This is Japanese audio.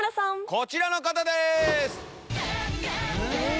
こちらの方です！